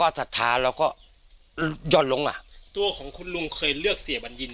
ตอนสมัครเป็นสอสอ